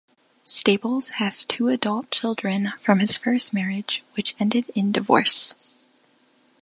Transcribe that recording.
Staples has two adult children from his first marriage, which ended in divorce.